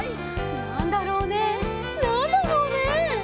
「なんだろうねなんだろうね」